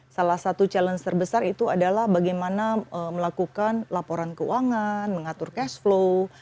salah satu challenge terbesar itu adalah bagaimana melakukan laporan keuangan mengatur cash flow